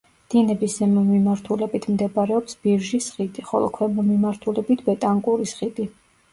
დინების ზემო მიმართულებით მდებარეობს ბირჟის ხიდი, ხოლო ქვემო მიმართულებით ბეტანკურის ხიდი.